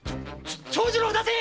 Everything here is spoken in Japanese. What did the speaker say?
長次郎を出せ！